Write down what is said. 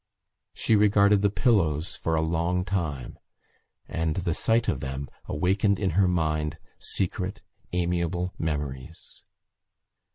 She regarded the pillows for a long time and the sight of them awakened in her mind secret amiable memories.